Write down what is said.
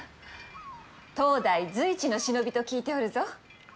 当代随一の忍びと聞いておるぞ。